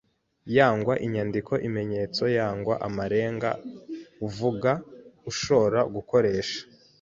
yangwa inyandiko iimenyetso yangwa amarenga uvuga ashoora gukoresha